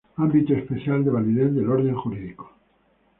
Ámbito espacial de validez del orden jurídico.